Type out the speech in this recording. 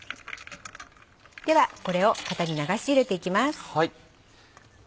ではこれを型に流し入れていきます。